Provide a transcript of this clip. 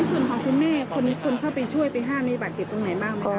ที่สุดของคุณเนธคนเข้าไปช่วยปี๕มีบัตรเหตุตรงไหนบ้าง